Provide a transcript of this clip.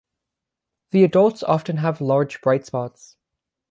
The adults often have large bright spots.